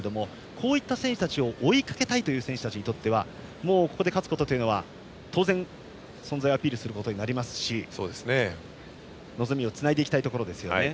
こうした選手たちを追いかけたい選手にとってはここで勝つことは当然、存在をアピールすることになりますし望みをつないでいきたいところですよね。